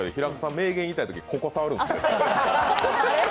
名言言いたいとき、ここ触るんですね。